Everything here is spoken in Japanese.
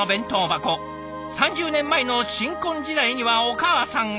３０年前の新婚時代にはお母さんが。